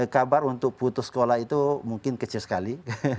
kabar untuk putus sekolah itu mungkin kecil sekali